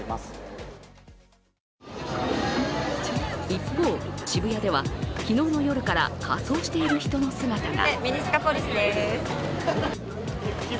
一方、渋谷では昨日の夜から仮装している人の姿が。